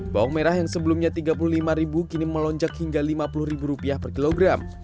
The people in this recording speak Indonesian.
bawang merah yang sebelumnya rp tiga puluh lima kini melonjak hingga rp lima puluh per kilogram